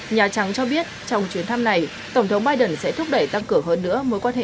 nhà trắng cho biết trong chuyến thăm này tổng thống biden sẽ thúc đẩy tăng cửa hơn nữa